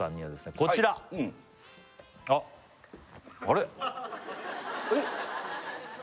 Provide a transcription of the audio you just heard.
こちらあっあれ？